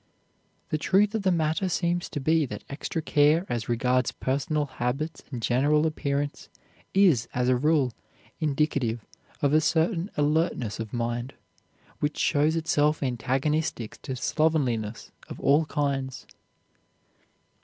The truth of the matter seems to be that extra care as regards personal habits and general appearance is, as a rule, indicative of a certain alertness of mind, which shows itself antagonistic to slovenliness of all kinds."